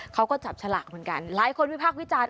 เขาก็จับฉลากเหมือนกันหลายคนวิพากษ์วิจารณ์